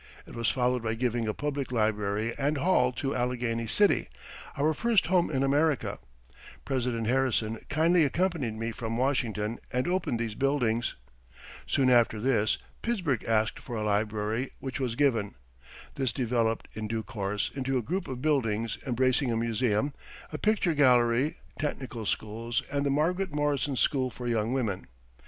It was followed by giving a public library and hall to Allegheny City our first home in America. President Harrison kindly accompanied me from Washington and opened these buildings. Soon after this, Pittsburgh asked for a library, which was given. This developed, in due course, into a group of buildings embracing a museum, a picture gallery, technical schools, and the Margaret Morrison School for Young Women.